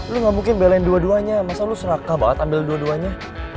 lo ga mungkin belain dua duanya masa lo serakah banget ambil dua duanya